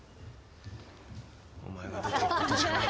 「お前が出ていくことじゃない」